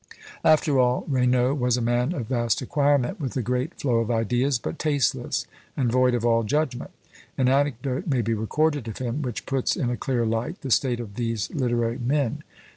After all, Raynaud was a man of vast acquirement, with a great flow of ideas, but tasteless, and void of all judgment. An anecdote may be recorded of him, which puts in a clear light the state of these literary men.